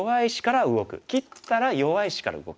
切ったら弱い石から動く。